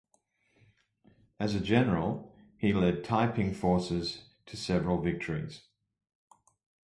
As a general, he led Taiping forces to several victories.